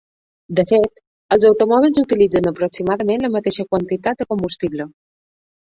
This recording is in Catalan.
De fet, els automòbils utilitzen aproximadament la mateixa quantitat de combustible.